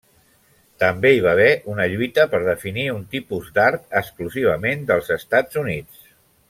També hi va haver una lluita per definir un tipus d'art exclusivament dels Estats Units.